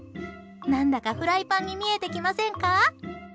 何だかフライパンに見えてきませんか？